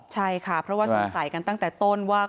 ใช่ค่ะเพราะว่าสงสัยกันตั้งแต่ต้นว่า